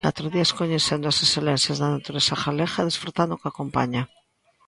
Catro días coñecendo as excelencias da natureza galega e desfrutando coa compaña.